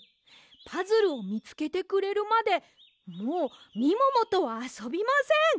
パズルをみつけてくれるまでもうみももとはあそびません！